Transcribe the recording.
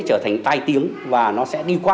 trở thành tai tiếng và nó sẽ đi qua